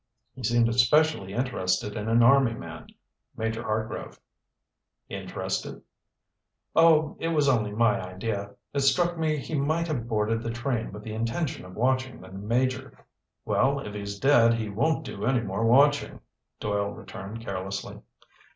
He seemed especially interested in an army man, Major Hartgrove." "Interested?" "Oh, it was only my idea. It struck me he might have boarded the train with the intention of watching the Major." "Well, if he's dead he won't do any more watching," Doyle returned carelessly.